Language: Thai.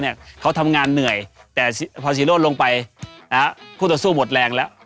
เนี้ยเขาทำงานเหนื่อยแต่พอลงไปนะฮะผู้ต่อสู้หมดแรงแล้ว